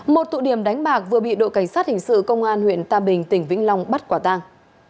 một tụ điểm đánh bạc vừa bị đội cảnh sát hình sự công an huyện tà bình tỉnh vĩnh long bắt quả tang